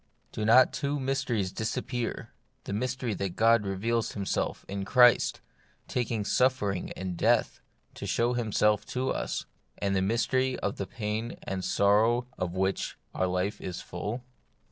Do not two mysteries disappear : the mystery that God reveals Himself in Christ, taking suffering and death to show Himself to us ; and the mystery of the pain and sorrow of which our life is full